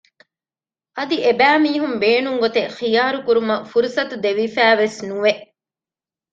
އަދި އެބައިމީހުން ބޭނުންގޮތެއް ޚިޔާރުކުރުމަށް ފުރުސަތު ދެވިފައިވެސް ނުވެ